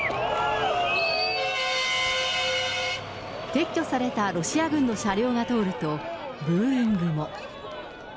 撤去されたロシア軍の車両が通ると、ブーイングも。